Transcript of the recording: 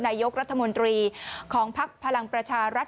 นายกรัฐมนตรีของภักดิ์พลังประชารัฐ